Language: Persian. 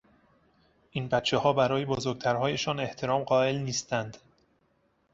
این بچهها برای بزرگترهایشان احترام قائل نیستند.